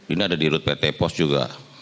ini ada di rute pt pos juga